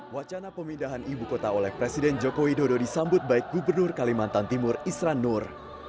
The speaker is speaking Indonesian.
wacana pemindahan ibu kota oleh presiden joko widodo disambut baik gubernur kalimantan timur isran nur